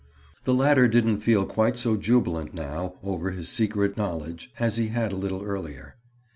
The latter didn't feel quite so jubilant now over his secret knowledge as he had a little earlier.